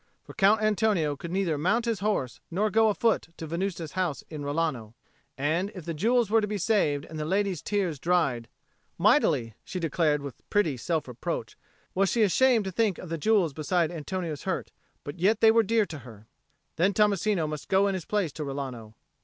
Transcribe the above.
For Count Antonio could neither mount his horse nor go afoot to Venusta's house in Rilano; and, if the jewels were to be saved and the lady's tears dried (mightily, she declared with pretty self reproach, was she ashamed to think of the jewels beside Antonio's hurt, but yet they were dear to her), then Tommasino must go in his place to Rilano.